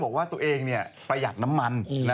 บอกว่าตัวเองประหยัดน้ำมัน